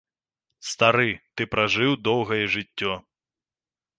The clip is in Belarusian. Стары, ты пражыў доўгае жыццё.